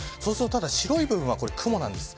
白い部分は雲なんです。